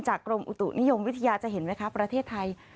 กรมอุตุนิยมวิทยาจะเห็นไหมคะประเทศไทย